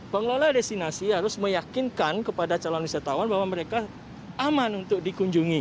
pengelola destinasi harus meyakinkan kepada calon wisatawan bahwa mereka aman untuk dikunjungi